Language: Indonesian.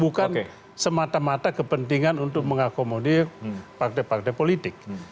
bukan semata mata kepentingan untuk mengakomodir partai partai politik